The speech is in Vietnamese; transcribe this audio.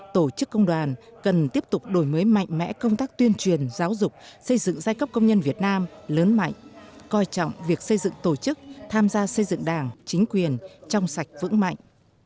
tổ chức công đoàn cần tiếp tục đổi mới mạnh mẽ công tác tuyên truyền giáo dục xây dựng giai cấp công nhân việt nam lớn mạnh coi trọng việc xây dựng tổ chức tham gia xây dựng đảng chính quyền trong sạch vững mạnh